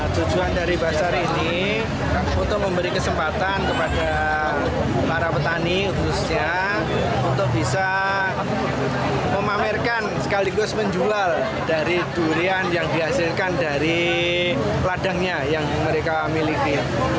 tujuan dari basar ini untuk memberi kesempatan kepada para petani khususnya untuk bisa memamerkan sekaligus menjual dari durian yang dihasilkan dari ladangnya yang mereka miliki